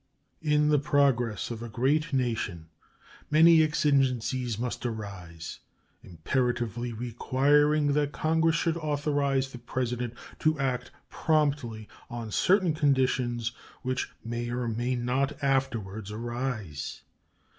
In the progress of a great nation many exigencies must arise imperatively requiring that Congress should authorize the President to act promptly on certain conditions which may or may not afterwards arise.